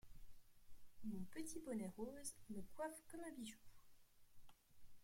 Mon petit bonnet rose me coiffe comme un bijou…